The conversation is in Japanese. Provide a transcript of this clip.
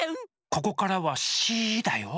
ここからはシーだよ。